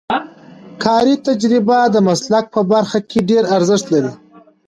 کاري تجربه د مسلک په برخه کې ډېر ارزښت لري.